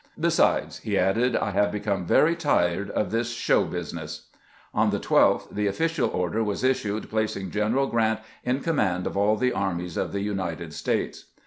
" Besides," he added, " I have become very tired of this show business." On the 12th the official order was issued placing Gen eral Grant in command of all the armies of the United States.